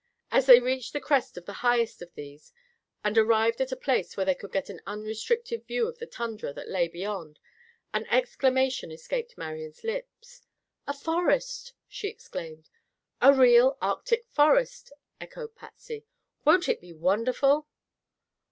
As they reached the crest of the highest of these, and arrived at a place where they could get an unrestricted view of the tundra that lay beyond, an exclamation escaped Marian's lips. "A forest!" she exclaimed. "A real Arctic forest," echoed Patsy. "Won't it be wonderful!"